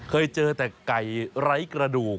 เคยเจอแต่ไก่ไร้กระดูก